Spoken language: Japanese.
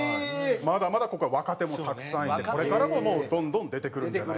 まだまだここは若手もたくさんいてこれからもどんどん出てくるんじゃないかと。